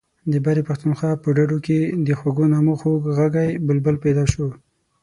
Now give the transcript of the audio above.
د برې پښتونخوا په ډډو کې د خوږو نغمو خوږ غږی بلبل پیدا شو.